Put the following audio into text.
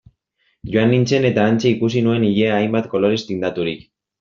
Joan nintzen eta hantxe ikusi nuen ilea hainbat kolorez tindaturik...